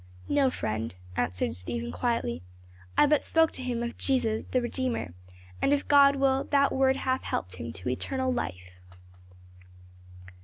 "No, friend," answered Stephen quietly. "I but spoke to him of Jesus, the Redeemer; and if God will, that word hath helped him to eternal life."